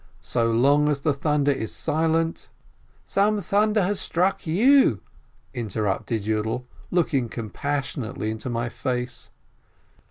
— so long as the thunder is silent ..." "Some thunder has struck you!" interrupted Yiidel, looking compassionately into my face.